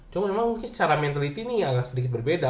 cuma memang mungkin secara mentaliti nih agak sedikit berbeda